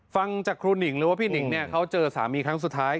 ฟังจากครูหนิงหรือว่าพี่หนิงเนี่ยเขาเจอสามีครั้งสุดท้าย